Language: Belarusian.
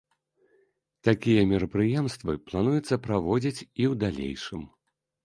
Такія мерапрыемствы плануецца праводзіць і ў далейшым.